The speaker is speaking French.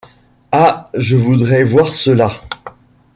Ah! je voudrais voir cela !...